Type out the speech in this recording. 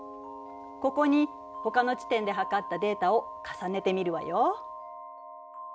ここにほかの地点で計ったデータを重ねてみるわよ。